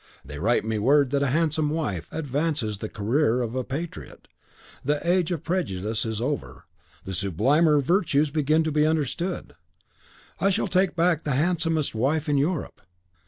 They write me word that a handsome wife advances the career of a patriot. The age of prejudice is over. The sublimer virtues begin to be understood. I shall take back the handsomest wife in Europe."